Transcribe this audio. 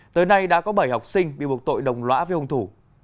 tới nay đã có bảy học sinh bị buộc tội đồng lõa với hung thủ